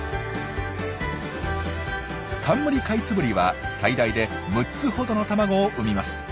カンムリカイツブリは最大で６つほどの卵を産みます。